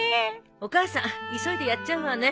お母さん急いでやっちゃうわね。